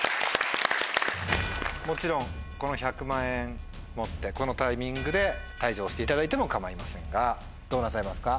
もちろんこの１００万円を持ってこのタイミングで退場していただいても構いませんがどうなさいますか？